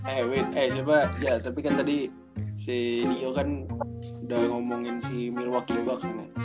eh eh coba ya tapi kan tadi si nio kan udah ngomongin si milwaukee bucks nih